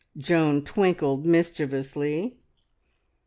Joan twinkled mischievously.